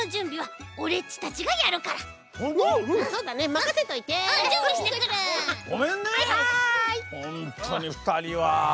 ほんとうにふたりは。